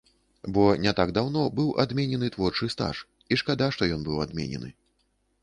Бо не так даўно быў адменены творчы стаж, і шкада, што ён быў адменены.